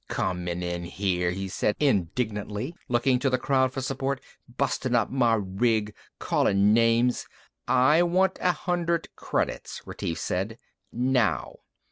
"Comin' in here," he said indignantly, looking to the crowd for support. "Bustin' up my rig, callin' names...." "I want a hundred credits," Retief said. "Now."